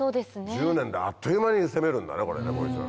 １０年であっという間に攻めるんだねこれね。